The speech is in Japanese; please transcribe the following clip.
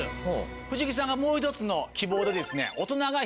藤木さんがもう１つの希望で。